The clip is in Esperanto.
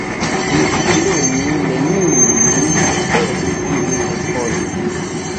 Ĝis nun neniu el ili respondis.